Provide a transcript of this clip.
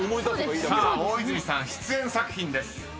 ［大泉さん出演作品です］